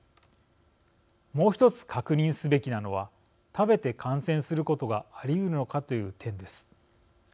もう１つ、確認すべきなのは食べて感染することがありうるのかという点です。